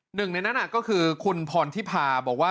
หนึ่งในนั้นก็คือคุณพรทิพาบอกว่า